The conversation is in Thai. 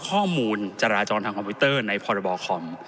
ข้อมูลจราจรทางคอมพิวเตอร์ในพรบคอม